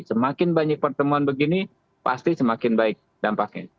semakin banyak pertemuan begini pasti semakin baik dampaknya